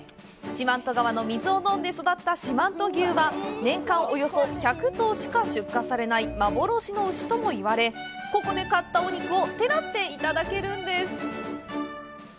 四万十川の水を飲んで育った四万十牛は年間およそ１００頭しか出荷されない幻の牛とも言われここで買ったお肉をテラスでいただけるんです。